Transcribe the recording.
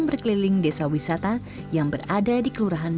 berkeliling desa wisata yang berada di kelurahan